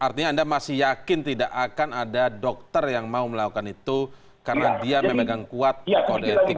artinya anda masih yakin tidak akan ada dokter yang mau melakukan itu karena dia memegang kuat kode etik